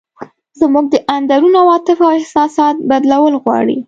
زموږ د اندرون عواطف او احساسات بدلول غواړي.